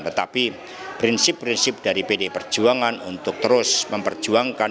tetapi prinsip prinsip dari pdi perjuangan untuk terus memperjuangkan